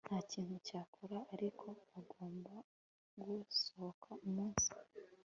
Ntakintu cyakora ariko bagomba gukosora umunsi